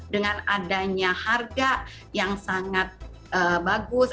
dengan adanya harga yang sangat bagus